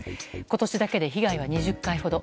今年だけで被害は２０回ほど。